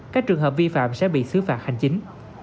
các trường hợp vi phạm sẽ bị xứ phạt hành chính